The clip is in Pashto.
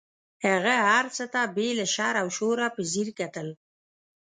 هغه هر څه ته بې له شر او شوره په ځیر کتل.